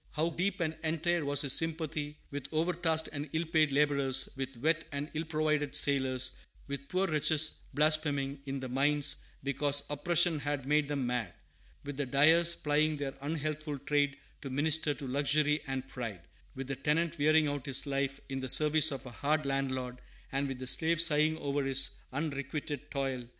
How deep and entire was his sympathy with overtasked and ill paid laborers; with wet and illprovided sailors; with poor wretches blaspheming in the mines, because oppression had made them mad; with the dyers plying their unhealthful trade to minister to luxury and pride; with the tenant wearing out his life in the service of a hard landlord; and with the slave sighing over his unrequited toil!